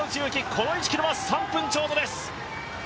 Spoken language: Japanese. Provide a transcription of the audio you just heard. この１ｋｍは３分ちょうどです。